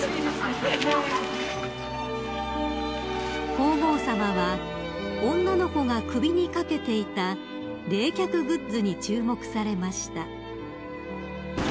［皇后さまは女の子が首に掛けていた冷却グッズに注目されました］